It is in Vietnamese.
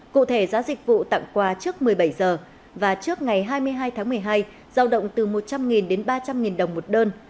cụ thể giá dịch vụ tặng quà trước một mươi bảy giờ và trước ngày hai mươi hai tháng một mươi hai giao động từ một trăm linh đến ba trăm linh đồng một đơn